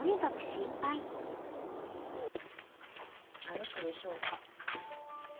歩くでしょうか。